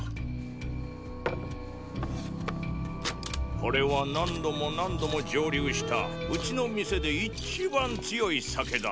これは何度も何度も蒸留したうちの店で一番強い酒だ。